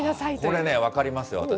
これね、分かりますよ、私。